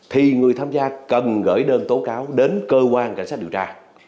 thì người tham gia cần gửi đơn tố cáo đến cơ quan cảnh sát điều tra